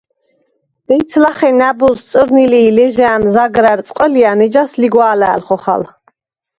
დეც ლახე ნა̈ბოზს წჷრნი ლი ლეჟა̄̈ნ, ზაგრა̈რ წყჷლჲა̈ნ, ეჯას ლიგვა̄ლა̄̈ლ ხოხალ.